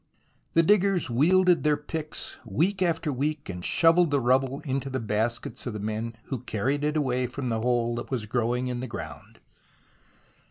The diggers wielded their picks week after week and shovelled the rubble into the baskets of the men who carried it away from the hole that was growing in the ground.